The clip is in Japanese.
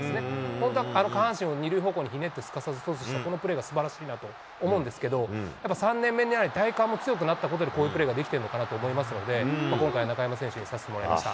本当は下半身を２塁方向にひねって、すかさずトスした、あのプレーがすばらしいなと思うんですけど、やっぱ３年目になり、体幹も強くなったことでこういうプレーができてるのかなと思いますので、今回、中山選手にさせてもらいました。